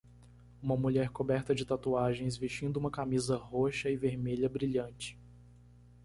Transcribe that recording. Uma mulher coberta de tatuagens vestindo uma camisa roxa e vermelha brilhante